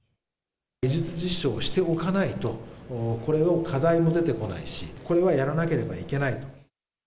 技術実証をしておかないとこれは、課題も出てこないし、これはやらなければいけない。